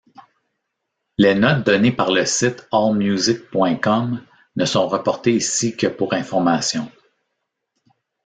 Les notes donnés par le site AllMusic.com ne sont reportées ici que pour information.